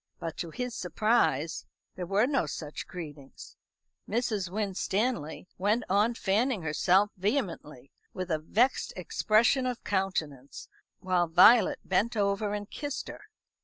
But to his surprise there were no such greetings. Mrs. Winstanley went on fanning herself vehemently, with a vexed expression of countenance, while Violet bent over and kissed her.